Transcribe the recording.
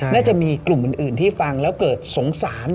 น่าจะมีกลุ่มอื่นที่ฟังแล้วเกิดสงสาร